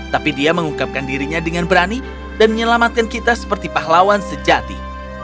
tapi dia mengungkapkan dirinya dengan berani dan menyelamatkan kita seperti pahlawan sejati